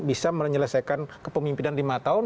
bisa menyelesaikan kepemimpinan lima tahun